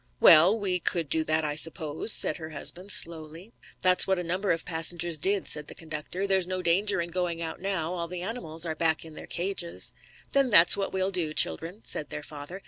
"Well, we could do that, I suppose," said her husband, slowly. "That's what a number of passengers did," said the conductor. "There's no danger in going out now all the animals are back in their cages." "Then that's what we'll do, children," said their father.